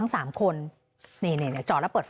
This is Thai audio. ลูกสาวผมเนี่ยก็เลยย้ายกันไปประมาณสักหนึ่งเดือนแล้วด้วยนะ